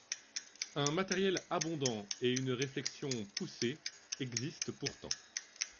Un matériel abondant et une réflexion poussée existent pourtant.